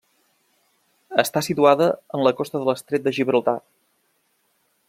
Està situada en la costa de l'Estret de Gibraltar.